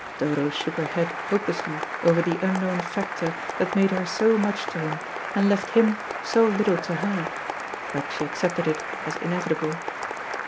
Dodo shook her head hopelessly over the unknown factor, that made her so much to him, and left him so little to her, but she accepted it as inevitable.